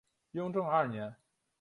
雍正二年。